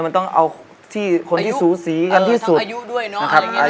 ทีละเด้อนี่ทีละเด้อนี่ชัดว่า